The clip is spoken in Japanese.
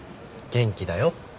元気だよ。